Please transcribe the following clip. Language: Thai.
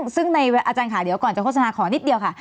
ซึ่งในอาจารย์ค่ะเดี๋ยวก่อนจะโฆษณาขอนิดเดียวค่ะ